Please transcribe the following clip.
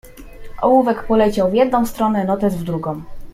"Ołówek poleciał w jedną stronę, notes w drugą."